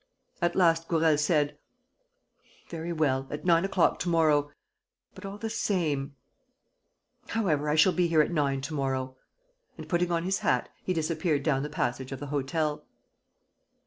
At last, Gourel said: "Very well. ... At nine o'clock to morrow. ... But, all the same ... However, I shall be here at nine to morrow. ..." And, putting on his hat, he disappeared down the passage of the hotel.